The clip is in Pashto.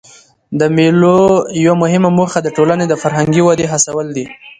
د مېلو یوه مهمه موخه د ټولني د فرهنګي ودي هڅول دي.